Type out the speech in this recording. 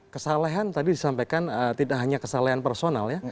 kesalahan tadi disampaikan tidak hanya kesalahan personal ya